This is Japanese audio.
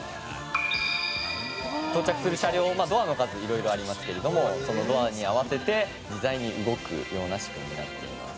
「到着する車両ドアの数いろいろありますけれどもドアに合わせて自在に動くような仕組みになっています」